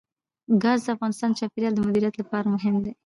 ګاز د افغانستان د چاپیریال د مدیریت لپاره مهم دي.